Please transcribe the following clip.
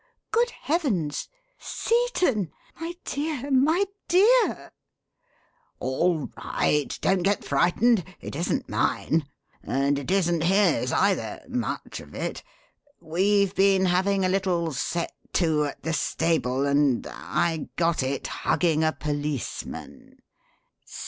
Good heavens! Seton! My dear, my dear!" "All right. Don't get frightened. It isn't mine. And it isn't his, either much of it. We've been having a little 'set to' at the stable, and I got it hugging a policeman."